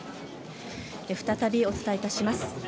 再びお伝え致します。